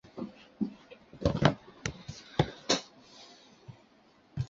粗体表示冠军歌